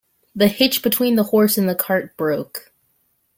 The hitch between the horse and cart broke.